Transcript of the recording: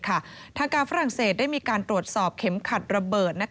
ทางการฝรั่งเศสได้มีการตรวจสอบเข็มขัดระเบิด